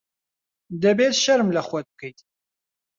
دەبێت شەرم لە خۆت بکەیت.